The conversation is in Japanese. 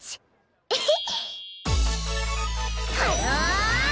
エヘッ。